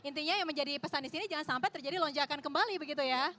intinya yang menjadi pesan di sini jangan sampai terjadi lonjakan kembali begitu ya